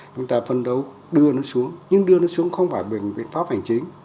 chúng ta phân đấu đưa nó xuống nhưng đưa nó xuống không phải bình biện pháp hành chính